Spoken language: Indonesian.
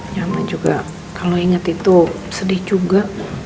nyama juga kalau inget itu sedih juga